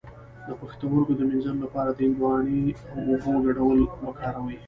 د پښتورګو د مینځلو لپاره د هندواڼې او اوبو ګډول وکاروئ